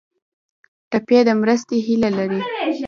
ټپي د مرستې هیله لري.